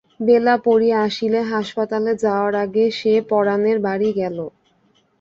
বেলা পড়িয়া আসিলে হাসপাতালে যাওয়ার আগে সে পরানের বাড়ি গেল।